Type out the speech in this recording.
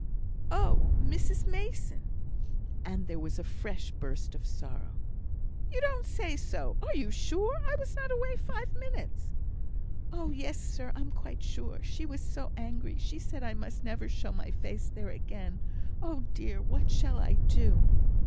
"Oh, Mrs Mason." And there was a fresh burst of sorrow. "You don't say so! are you sure? I was not away five minutes." "Oh, yes, sir, I'm quite sure. She was so angry; she said I must never show my face there again. Oh, dear! what shall I do?"